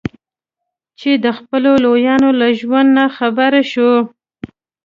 چې د خپلو لویانو له ژوند نه خبر شو.